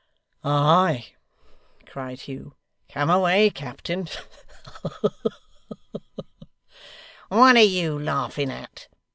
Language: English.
'Ay!' cried Hugh. 'Come away, captain. Ha ha ha!' 'What are you laughing at?